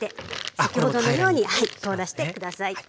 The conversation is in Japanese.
先ほどのように凍らして下さい。